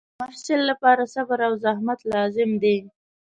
د محصل لپاره صبر او زحمت لازم دی.